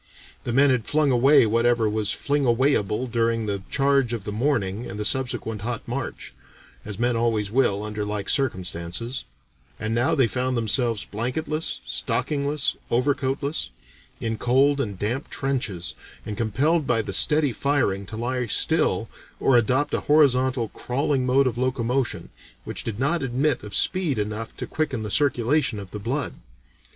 The men had flung away whatever was fling away able during the charge of the morning and the subsequent hot march as men always will, under like circumstances and now they found themselves blanketless, stockingless, overcoatless, in cold and damp trenches, and compelled by the steady firing to lie still, or adopt a horizontal, crawling mode of locomotion, which did not admit of speed enough to quicken the circulation of the blood.